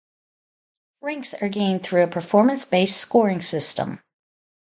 Ranks are gained through a performance-based scoring system.